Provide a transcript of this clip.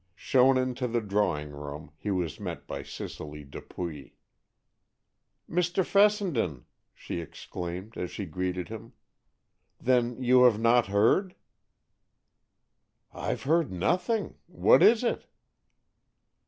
Shown into the drawing room, he was met by Cicely Dupuy. "Mr. Fessenden!" she exclaimed as she greeted him. "Then you have not heard?" "I've heard nothing. What is it?"